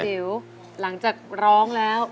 จิ๋วหลังจากร้องแล้ว